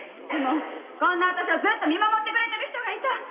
でもこんな私をずっと見守ってくれてる人がいた。